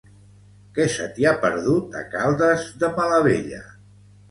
Què se t'hi ha perdut, a Caldes de Malavella?